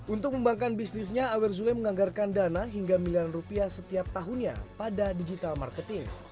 untuk mengembangkan bisnisnya awer zule menganggarkan dana hingga miliaran rupiah setiap tahunnya pada digital marketing